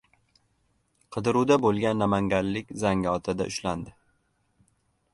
Qidiruvda bo‘lgan namanganlik Zangiotada ushlandi